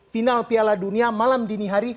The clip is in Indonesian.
final piala dunia malam dini hari